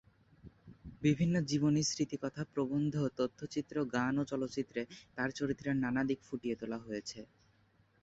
বিভিন্ন জীবনী, স্মৃতিকথা, প্রবন্ধ, তথ্যচিত্র, গান ও চলচ্চিত্রে তার চরিত্রের নানা দিক ফুটিয়ে তোলা হয়েছে।